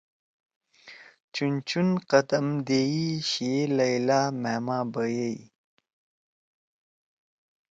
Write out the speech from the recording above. چُون چُون قدم دیئی شیِئے لیلٰی مھأما بیَئی